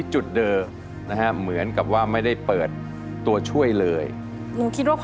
ใช่